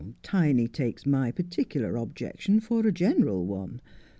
Tiny takes my particular objection for a general one.